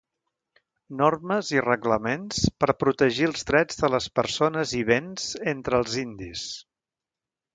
Normes i reglaments per protegir els drets de les persones i béns entre els indis.